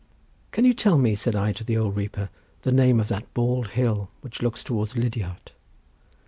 "Can you tell me," said I to the old reaper, "the name of that bald hill, which looks towards Lidiart?"